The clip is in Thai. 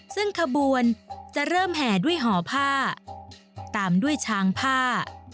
ซึ่งขบวนจะเริ่มแห่ด้วยห่อผ้าตามด้วยช้างผ้า